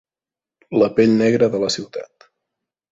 La pell negra de la ciutat.